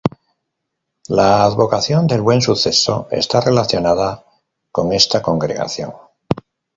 La advocación del Buen Suceso está relacionada con esta congregación.